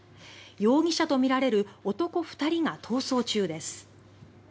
容疑者とみられる男２人が逃走中です。